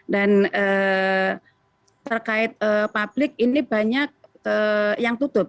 terkait publik ini banyak yang tutup